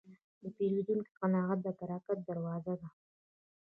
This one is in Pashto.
د پیرودونکي قناعت د برکت دروازه ده.